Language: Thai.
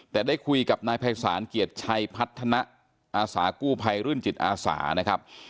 แต่ได้คุยกับนายภัยศาลเกียรติชัยพัฒนะอาสากู้ภัยรื่นจิตอาสานะครับ